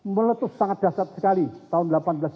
meletus sangat dasar sekali tahun seribu delapan ratus sembilan puluh